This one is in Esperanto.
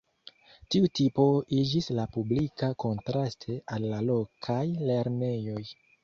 Tiu tipo iĝis la publika kontraste al la lokaj lernejoj.